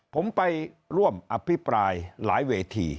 ผมไปร่วมอภิปรายหลายเวที